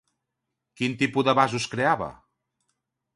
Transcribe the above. Quin tipus de vasos creava?